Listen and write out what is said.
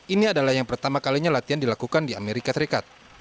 ini adalah yang pertama kalinya latihan dilakukan di amerika serikat